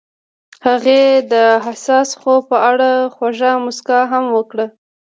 هغې د حساس خوب په اړه خوږه موسکا هم وکړه.